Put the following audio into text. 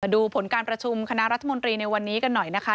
ดูผลการประชุมคณะรัฐมนตรีในวันนี้กันหน่อยนะคะ